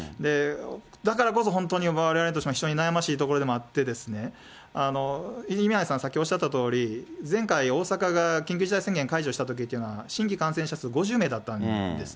だからこそ本当に、われわれとしても非常に悩ましいところもあって、宮根さん、先ほどおっしゃったとおり、前回、大阪が緊急事態宣言解除したときというのは、新規感染者数５０名だったんです。